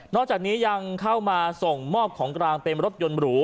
จากนี้ยังเข้ามาส่งมอบของกลางเป็นรถยนต์หรู